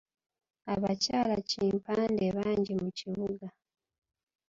Abakyalakimpadde bangi mu kibuga.